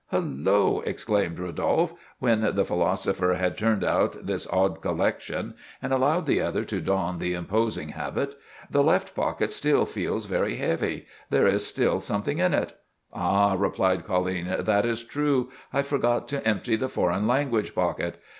"Hullo!" exclaimed Rodolphe, when the philosopher had turned out this odd collection and allowed the other to don the imposing habit; "the left pocket still feels very heavy; there is still something in it."—"Ah!" replied Colline, "that is true; I forgot to empty the foreign language pocket."